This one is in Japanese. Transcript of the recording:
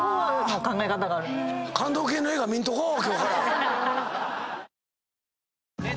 感動系の映画見んとこう。